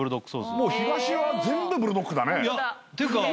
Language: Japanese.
もう東は全部ブルドックだね。